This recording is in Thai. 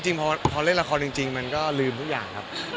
จริงพอเล่นละครจริงมันก็ลืมทุกอย่างครับ